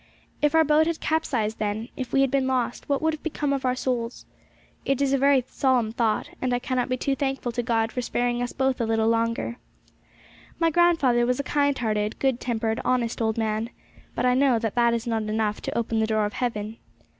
If our boat had capsized then, if we had been lost, what would have become of our souls? It is a very solemn thought, and I cannot be too thankful to God for sparing us both a little longer. My grandfather was a kind hearted, good tempered, honest old man; but I know now that that is not enough to open the door of heaven.